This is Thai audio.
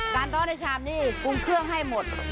ร้อนในชามนี้ปรุงเครื่องให้หมด